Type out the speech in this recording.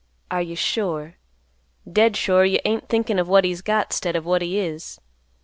Are you sure, dead sure you ain't thinkin' of what he's got 'stead of what he is?